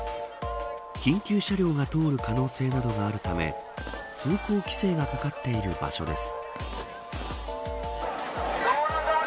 緊急車両が通る可能性などがあるため通行規制がかかっている場所です。